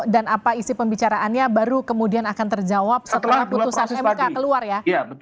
apa isi pembicaraannya baru kemudian akan terjawab setelah putusan mk keluar ya